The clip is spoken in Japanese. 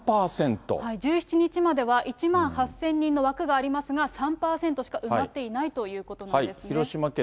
１７日までは１万８０００人の枠がありますが、３％しか埋まってないということなんですね。